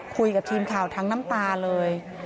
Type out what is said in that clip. คุยกับทีมข่าวทั้งน้ำตาเลย